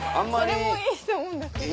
それもいいと思うんですけど。